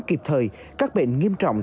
kịp thời các bệnh nghiêm trọng